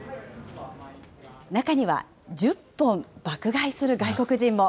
中には１０本、爆買いする外国人も。